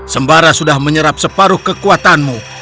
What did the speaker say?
sembara sudah menyerap separuh kekuatanmu